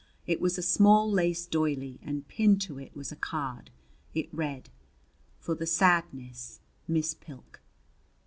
It was a small lace doily, and pinned to it was a card. It read: For the sadness, Miss Pilk!